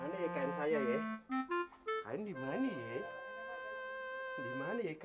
macx trayeng syaikh